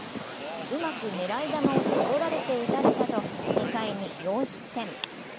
うまく狙い球を絞られて打たれたと、２回に４失点。